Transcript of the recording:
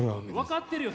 分かってるよ